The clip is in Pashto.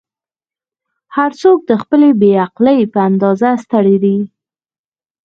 "هر څوک د خپلې بې عقلۍ په اندازه ستړی دی.